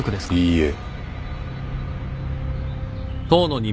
いいえ。